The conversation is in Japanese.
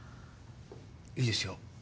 いいですよ。